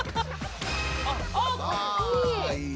あっかっこいい。